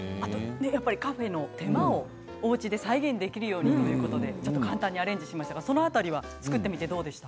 カフェの手間をおうちで再現できるようにということで、ちょっと簡単にアレンジしましたが、その辺りは作ってみてどうでしたか。